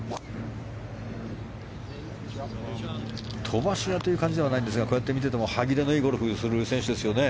飛ばし屋という感じではないんですがこうやって見ていても歯切れのいいゴルフをする選手ですよね。